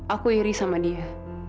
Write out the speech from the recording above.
aku iri sama dia